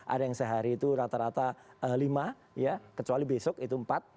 ada yang sehari itu rata rata lima ya kecuali besok itu empat